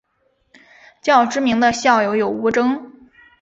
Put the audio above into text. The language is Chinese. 较知名的校友有吴峥。